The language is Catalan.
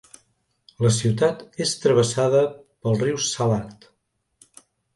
La ciutat és travessada pel riu Salat.